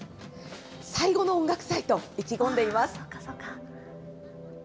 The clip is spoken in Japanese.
最後の音楽祭と、意気込んでいます。